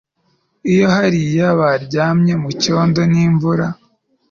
iyo hariya baryamye mucyondo n'imvura